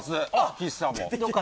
岸さんも。